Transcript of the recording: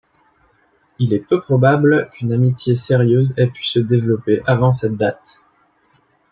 Il est peu probable qu'une amitié sérieuse ait pu se développer avant cette date.